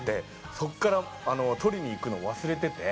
そこから取りに行くの忘れてて。